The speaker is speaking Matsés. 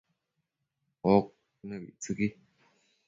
oc nëbictsëqui